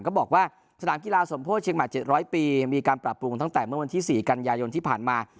ก็บอกว่าสนามกีฬาสมโพธิเชียงใหม่๗๐๐ปีมีการปรับปรุงตั้งแต่เมื่อวันที่๔กันยายนที่ผ่านมา